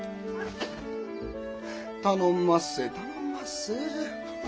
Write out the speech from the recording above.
頼んまっせ頼んまっせ。